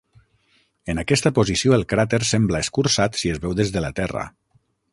En aquesta posició el cràter sembla escurçat si es veu des de la Terra.